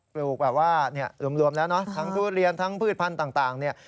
ปลูกแบบว่ารวมแล้วเนอะทั้งทุเรียนทั้งพืชพันธุ์ต่างเนี่ย